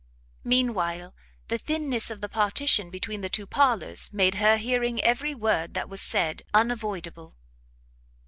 Mean while the thinness of the partition between the two parlours made her hearing every word that was said unavoidable.